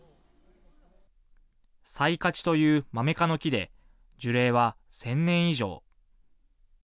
サイカチというマメ科の木で樹齢は１０００年以上。